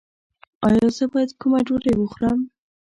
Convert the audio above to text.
ایا زه باید کمه ډوډۍ وخورم؟